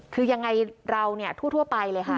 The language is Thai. คือยังไงเราเนี่ยทั่วไปเลยค่ะ